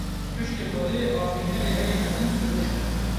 Piştî xwedê, afirînerê herî mezin siruşt e.